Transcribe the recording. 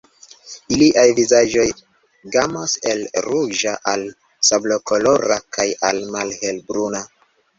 Iliaj vizaĝoj gamas el ruĝa al sablokolora kaj al malhelbruna.